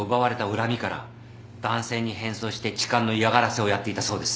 恨みから男性に変装して痴漢の嫌がらせをやっていたそうです。